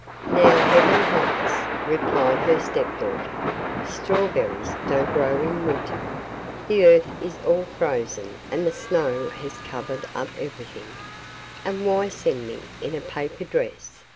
'Now Heaven help us,' replied her stepdaughter; 'strawberries don't grow in winter; the earth is all frozen and the snow has covered up everything; and why send me in a paper dress?